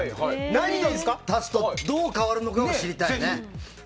何を足すとどう変わるのか知りたいよね。